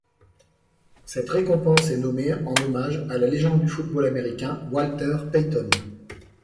Cette récompense est nommée en hommage à la légende du football américain Walter Payton.